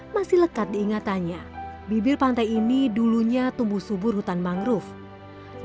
masih lekat diingatannya bibir pantai ini dulunya tumbuh subur hutan mangrove